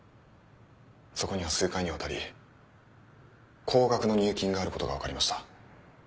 そこには数回にわたり高額の入金があることが分かりました。